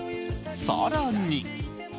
更に。